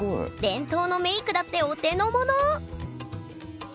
伝統のメークだってお手のもの！